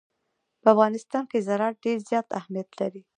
په افغانستان کې زراعت ډېر زیات اهمیت لري.